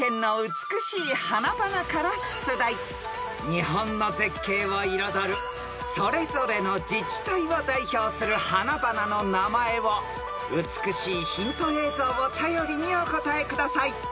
［日本の絶景を彩るそれぞれの自治体を代表する花々の名前を美しいヒント映像を頼りにお答えください］